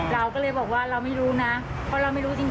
เราก็เลยบอกว่าเราไม่รู้นะเพราะเราไม่รู้จริง